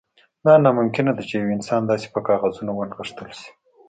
دا ناممکن ده چې یو انسان داسې په کاغذونو ونغښتل شي